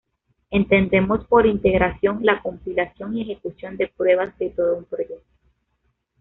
Entendemos por integración la compilación y ejecución de pruebas de todo un proyecto.